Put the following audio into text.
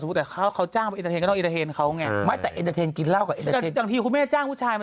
สมมุติแบบเขาจ้างไปฟังมูลก็ต้องฟังมูลกันเขาไง